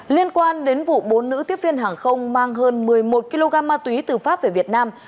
liên quan đến vụ bốn nữ tiếp viên hàng không mang hơn một mươi một kg ma túy từ pháp về việt nam